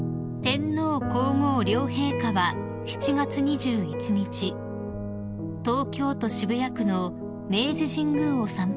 ［天皇皇后両陛下は７月２１日東京都渋谷区の明治神宮を参拝されました］